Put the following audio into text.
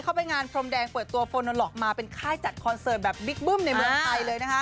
เข้าไปงานพรมแดงเปิดตัวเฟอร์โนล็อกมาเป็นค่ายจัดคอนเสิร์ตแบบบิ๊กบุ้มในเมืองไทย